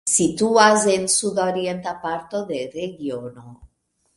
Situas en sudorienta parto de regiono.